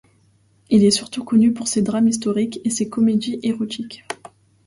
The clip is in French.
Il est surtout connu pour ses drames historiques et ses comédies érotiques.